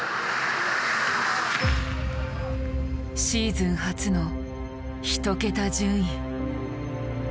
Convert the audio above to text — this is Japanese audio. シーズン初の１桁順位。